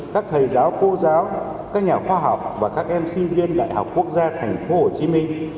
các nhà khoa học và các em sinh viên đại học quốc gia tp hcm